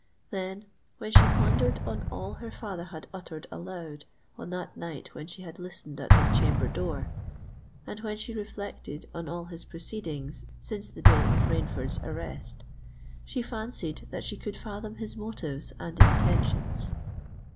Then, when she pondered on all her father had uttered aloud, on that night when she had listened at his chamber door,—and when she reflected on all his proceedings since the day of Rainford's arrest,—she fancied that she could fathom his motives and intentions.